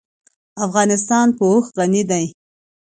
افغانستان په اوښ غني دی.